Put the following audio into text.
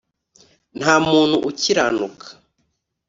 nta muntu ukiranuka